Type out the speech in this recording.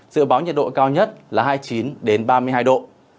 dự báo nhiệt độ cao nhất là hai mươi chín ba mươi hai độ